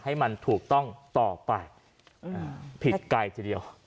ให้มันถูกต้องต่อไปผิดไกลทีเดียว